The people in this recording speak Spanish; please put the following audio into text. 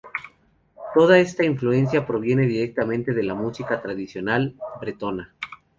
Toda esta influencia proviene directamente de la música tradicional bretona.